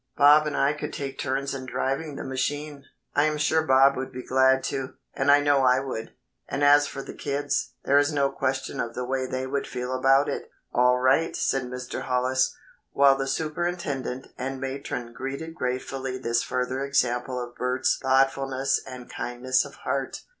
Bob and I could take turns in driving the machine. I am sure Bob would be glad to, and I know I would, and as for the kids, there is no question of the way they would feel about it." "All right," said Mr. Hollis, while the superintendent and matron greeted gratefully this further example of Bert's thoughtfulness and kindness of heart.